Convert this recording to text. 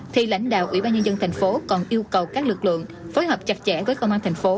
thì lãnh đạo ủy ban nhân dân thành phố còn yêu cầu các lực lượng phối hợp chặt chẽ với công an thành phố